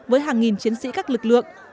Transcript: với hàng nghìn chiến sĩ các lực lượng